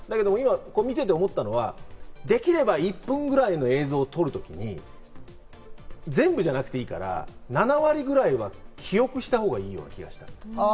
こう見ていて思ったのは、できれば１分ぐらいの映像とるときに全部じゃなくていいから７割くらいは記憶したほうがいいような気がする。